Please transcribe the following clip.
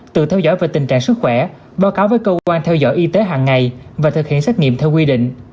tự theo dõi về tình trạng sức khỏe báo cáo với cơ quan theo dõi y tế hàng ngày và thực hiện xét nghiệm theo quy định